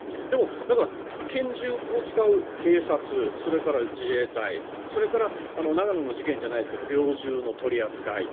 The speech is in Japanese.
だから拳銃を使う警察それから自衛隊それから長野の事件じゃないですが猟銃の取り扱い。